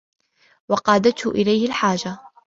وَقَادَتْهُ إلَيْهِ الْحَاجَةُ